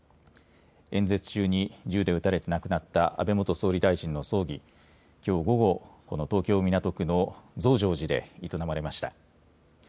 演説中に銃で撃たれて亡くなった安倍元総理大臣の葬儀、きょう午後、この東京港区の増上寺で営まれました。